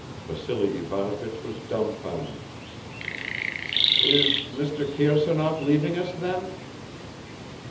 Vassily Ivanovich was dumbfounded. "Is Mr. Kirsanov leaving us then?"